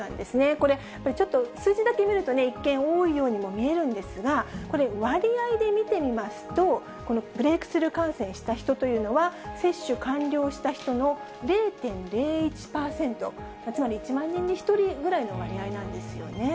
これ、ちょっと数字だけ見ると、一見多いようにも見えるんですが、これ、割合で見てみますと、このブレークスルー感染した人というのは、接種完了した人の０．０１％、つまり１万人に１人ぐらいの割合なんですよね。